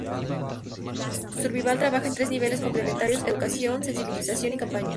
Survival trabaja en tres niveles complementarios: educación, sensibilización y campañas.